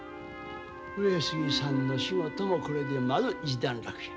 上杉さんの仕事もこれでまず一段落や。